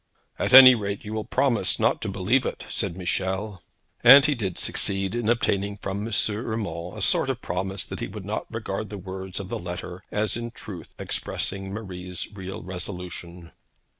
'At any rate, you will promise not to believe it,' said Michel. And he did succeed in obtaining from M. Urmand a sort of promise that he would not regard the words of the letter as in truth expressing Marie's real resolution.